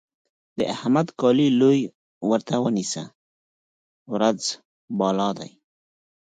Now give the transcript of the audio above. د احمد کالي لوی ورته ونيسه؛ ورځ بالا دی.